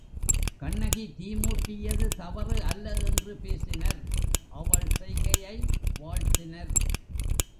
கண்ணகி தீ மூட்டியது தவறு அல்ல என்று பேசினர் அவள் செய்கையை வாழ்த்தினர்.